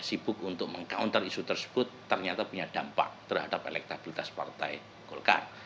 sibuk untuk meng counter isu tersebut ternyata punya dampak terhadap elektabilitas partai golkar